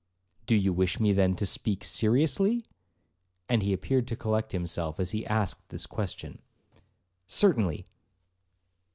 'Do you wish me, then, to speak seriously?' and he appeared to collect himself as he asked this question. 'Certainly.'